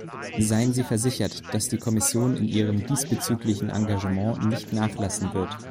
Seien Sie versichert, dass die Kommission in ihrem diesbezüglichen Engagement nicht nachlassen wird.